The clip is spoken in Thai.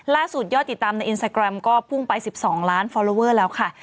ยอดติดตามในอินสตาแกรมก็พุ่งไป๑๒ล้านฟอลลอเวอร์แล้วค่ะ